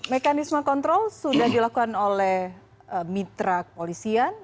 mekanisme kontrol sudah dilakukan oleh mitra kepolisian